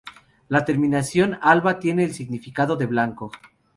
La terminación alba tiene el significado de blanco.